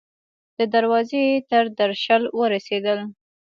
د دروازې تر درشل ورسیدل